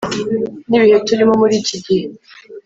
n’ibihe turimo muri iki gihe